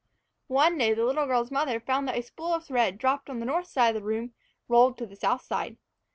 One day the little girl's mother found that a spool of thread dropped on the north side of the room rolled to the south side.